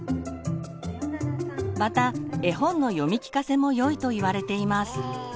また絵本の読み聞かせもよいといわれています。